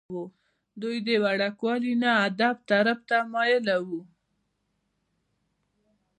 دوي د وړوکوالي نه ادب طرف ته مائله وو ۔